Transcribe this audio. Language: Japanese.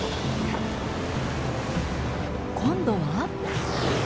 今度は？